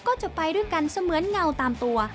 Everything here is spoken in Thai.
ก็จะไปด้วยกันเสมือนเงาตามตัว